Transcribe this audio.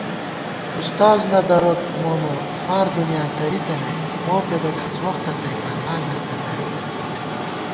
اُستاذ نہ دروت مونہ فار دُنیاں تَریتَنَیت، مو پېدہ کھَڅ وختہ تَئیکاں لا زېنتہ دریتنَئیت